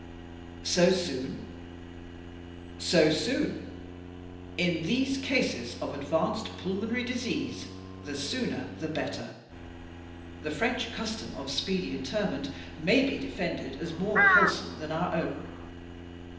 "So soon?" "So soon? In these eases of advanced pulmonary disease the sooner the better. The French custom of speedy interment may be defended as more wholesome than our own.